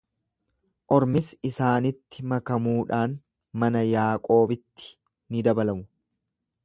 Ormis isaanitti makamuudhaan mana Yaaqoobitti ni dabalamu.